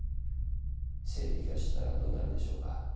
政敵が知ったらどうなるでしょうか？